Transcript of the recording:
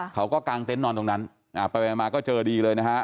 กลางเต็นต์นอนตรงนั้นไปมาก็เจอดีเลยนะฮะ